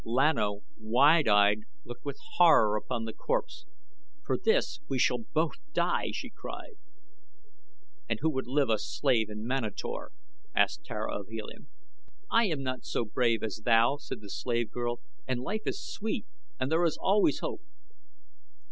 Lan O, wide eyed, looked with horror upon the corpse. "For this we shall both die," she cried. "And who would live a slave in Manator?" asked Tara of Helium. "I am not so brave as thou," said the slave girl, "and life is sweet and there is always hope."